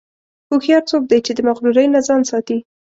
هوښیار څوک دی چې د مغرورۍ نه ځان ساتي.